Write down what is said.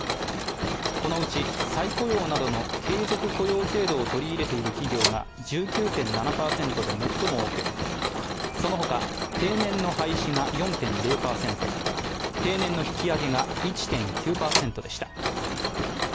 このうち再雇用などの継続雇用制度を取り入れている企業が１９．７％で最も多く、そのほか定年の廃止が４．０％、定年の引き上げが１．９％でした。